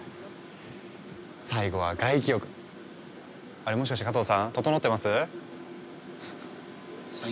あれもしかして加藤さんととのってます？